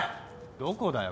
どこだよ？